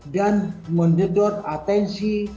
dan mendedot atensi